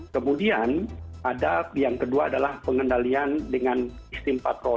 kemudian ada yang kedua adalah pengendalian dengan sistem patroli